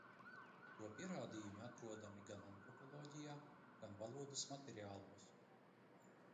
To pierādījumi atrodami gan antropoloģijā, gan valodas materiālos.